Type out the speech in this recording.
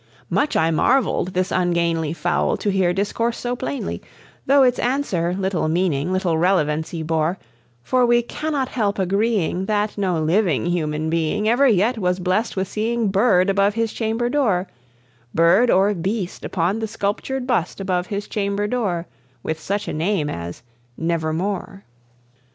Much I marvelled this ungainly fowl to hear discourse so plainly, Though its answer, little meaning, little relevancy bore; For we cannot help agreeing that no living human being Ever yet was blessed with seeing bird above his chamber door Bird or beast upon the sculptured bust above his chamber door With such a name as "Nevermore."